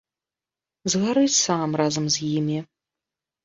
Згары сам разам з імі!